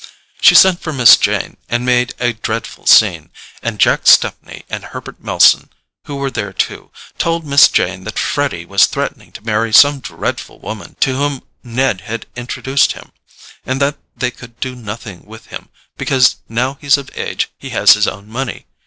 She sent for Miss Jane, and made a dreadful scene; and Jack Stepney and Herbert Melson, who were there too, told Miss Jane that Freddy was threatening to marry some dreadful woman to whom Ned had introduced him, and that they could do nothing with him because now he's of age he has his own money.